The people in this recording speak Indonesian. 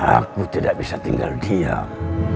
aku tidak bisa tinggal diam